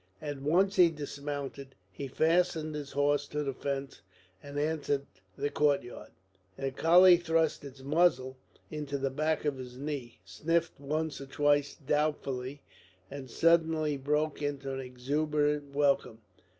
At once he dismounted; he fastened his horse to the fence, and entered the churchyard. The collie thrust its muzzle into the back of his knee, sniffed once or twice doubtfully, and suddenly broke into an exuberant welcome.